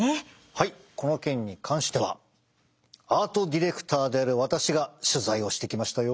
はいこの件に関してはアートディレクターである私が取材をしてきましたよ。